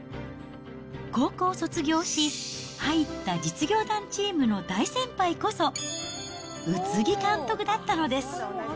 高校を卒業し、入った実業団チームの大先輩こそ、宇津木監督だったのです。